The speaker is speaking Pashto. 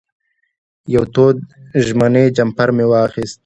یو تود ژمنی جمپر مې واخېست.